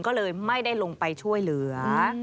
ก็เลยไม่ได้ลงไปช่วยเหลือ